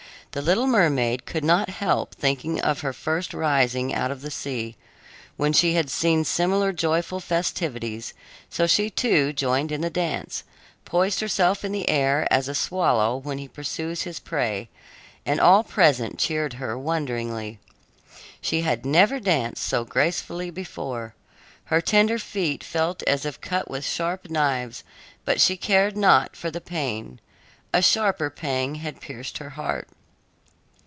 The little mermaid could not help thinking of her first rising out of the sea, when she had seen similar joyful festivities, so she too joined in the dance, poised herself in the air as a swallow when he pursues his prey, and all present cheered her wonderingly. She had never danced so gracefully before. Her tender feet felt as if cut with sharp knives, but she cared not for the pain; a sharper pang had pierced her heart.